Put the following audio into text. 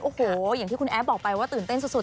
โอ้โหอย่างที่คุณแอฟบอกไปว่าตื่นเต้นสุด